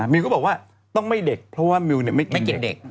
มิวก็บอกว่าต้องไม่เด็กเพราะว่ามิวไม่กินเด็ก